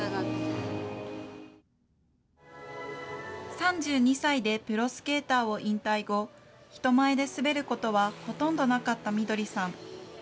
３２歳でプロスケーターを引退後、人前で滑ることはほとんどなかったみどりさん。